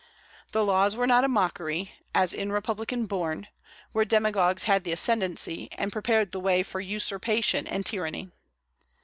The laws were not a mockery, as in republican Borne, where demagogues had the ascendency, and prepared the way for usurpation and tyranny.